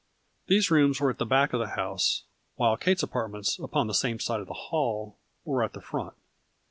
These rooms were at the back of the house, while Kate's apartments, upon the same side of the hall, were at the front.